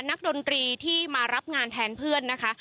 ดนตรีที่มารับงานแทนเพื่อนนะคะ